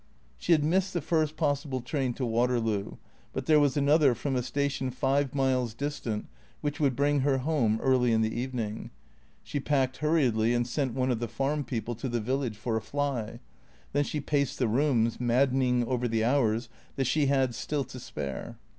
" She had missed the first possible train to Waterloo, but there was another from a station five miles distant which would bring her home early in the evening. She packed hurriedly and sent one of the farm people to the village for a fly. Then she paced the room, maddening over the hours that she had still to spare.